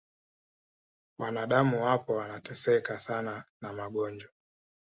wanadamu wapo wanaoteseka sana na magonjwa